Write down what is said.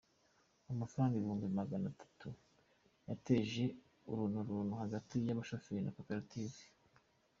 Amafaranga ibihumbi maganatatu yateje urunturuntu hagati y’abashoferi na Koperative